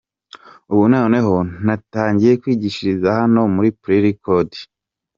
Ubu noneho natangiye kwigishiriza hano muri Pro Record”.